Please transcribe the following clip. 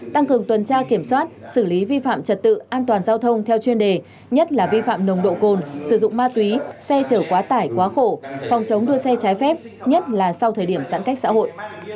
tăng cường tuần tra kiểm soát xử lý vi phạm trật tự an toàn giao thông theo chuyên đề nhất là vi phạm nồng độ cồn sử dụng ma túy xe chở quá tải quá khổ phòng chống đua xe trái phép nhất là sau thời điểm giãn cách xã hội